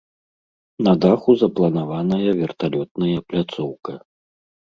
На даху запланаваная верталётная пляцоўка.